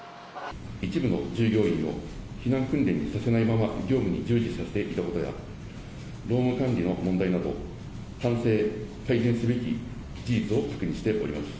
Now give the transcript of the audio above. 一部の従業員を避難訓練をさせないまま業務に従事させていたことや、労務管理の問題など、反省、改善すべき事実を確認しております。